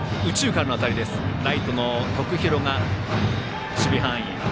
ライトの徳弘が守備範囲。